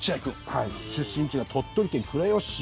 出身地は鳥取県倉吉市。